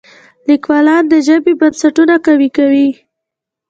لیکوالان د ژبې بنسټونه قوي کوي.